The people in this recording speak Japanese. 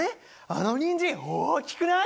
あのにんじん大きくない？